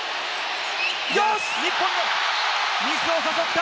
よし、日本、ミスを誘った！